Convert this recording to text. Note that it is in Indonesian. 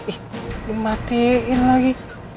ih dimatiin lagi